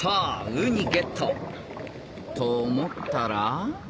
ウニゲット！と思ったら？